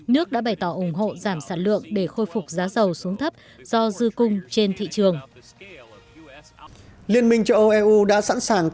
nước đã bày tỏ ủng hộ giảm sản lượng để khôi phục giá dầu xuống thấp do dư cung trên thị trường